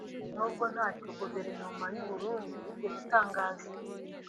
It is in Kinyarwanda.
n’ubwo ntacyo guverinoma y’u Burundi yigeze itangaza